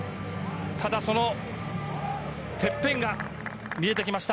ただ、そのてっぺんが見えてきました。